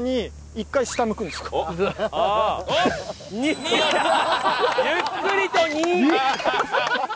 ２！ゆっくりと２！